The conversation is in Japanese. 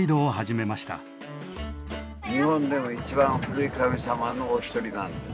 日本で一番古い神様のお一人なんです。